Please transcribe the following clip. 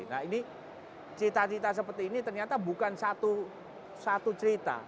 nah ini cita cita seperti ini ternyata bukan satu cerita